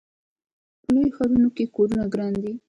په لویو ښارونو کې کورونه ګران دي.